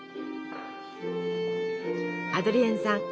アドリエンさん